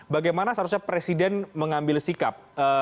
bagaimana seharusnya presiden mengambil sikap